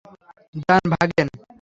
যান, ভাগেন।